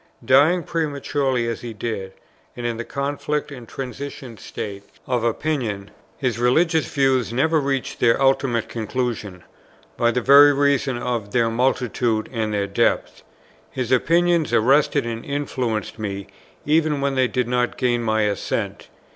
Dying prematurely, as he did, and in the conflict and transition state of opinion, his religious views never reached their ultimate conclusion, by the very reason of their multitude and their depth. His opinions arrested and influenced me, even when they did not gain my assent.